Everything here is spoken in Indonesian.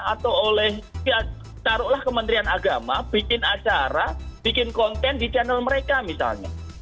atau oleh taruhlah kementerian agama bikin acara bikin konten di channel mereka misalnya